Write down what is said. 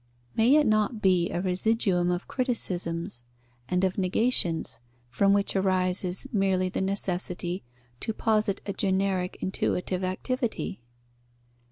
May it not be a residuum of criticisms and of negations from which arises merely the necessity to posit a generic intuitive activity?